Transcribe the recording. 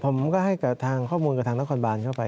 ครับผมก็ให้ข้อมูลกับทางนักควรบานเข้าไป